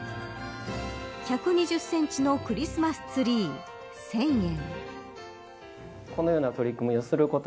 １２０センチのクリスマスツリー１０００円。